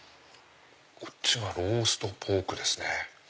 こっちはローストポークですね。